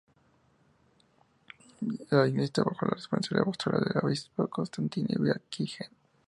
La iglesia esta bajo la responsabilidad pastoral del obispo Constantine Bae Ki-hyen.